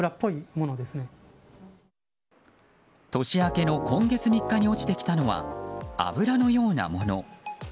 年明けの今月３日に落ちてきたのは油のようなもの。